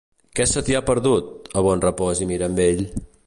Què se t'hi ha perdut, a Bonrepòs i Mirambell?